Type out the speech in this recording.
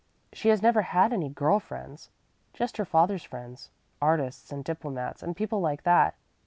She has never had any girl friends; just her father's friends artists and diplomats and people like that.